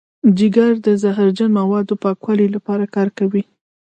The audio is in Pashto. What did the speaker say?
جگر د زهرجن موادو پاکولو لپاره کار کوي.